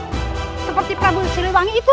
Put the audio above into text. seperti prabu siliwangi itu